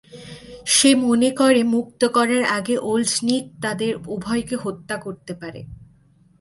সে মনে করে মুক্ত করার আগে ওল্ড নিক তাদের উভয়কে হত্যা করতে পারে।